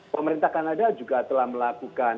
pemerintah kanada juga telah melakukan